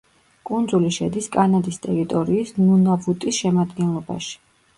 კუნძული შედის კანადის ტერიტორიის ნუნავუტის შემადგენლობაში.